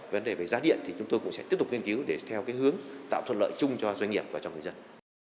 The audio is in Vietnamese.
vấn đề về giá điện thì chúng tôi cũng sẽ tiếp tục nghiên cứu để theo cái hướng tạo thuận lợi chung cho doanh nghiệp và cho người dân